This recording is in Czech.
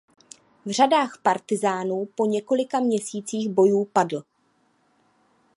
V řadách partyzánů po několika měsících bojů padl.